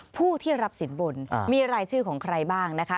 ผู้ที่รับสินบนมีรายชื่อของใครบ้างนะคะ